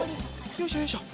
よいしょよいしょ。